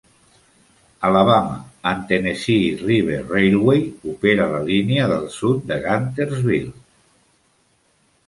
El Alabama and Tennessee River Railway opera la línia del sud de Guntersville.